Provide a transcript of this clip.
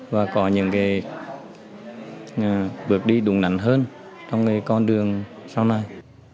và có những cái bước đi đúng đắn hơn trong cái con đường sau này